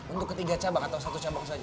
untuk ketiga cabang atau satu cabang saja